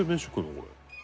これ」